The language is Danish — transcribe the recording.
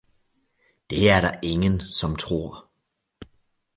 Det er der ingen som tror